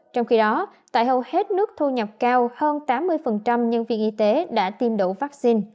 trong khi đó tại hầu hết nước thu nhập cao hơn tám mươi nhân viên y tế đã tiêm đủ vaccine